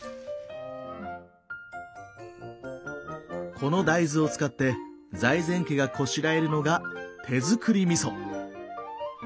この大豆を使って財前家がこしらえるのが手造りみそ。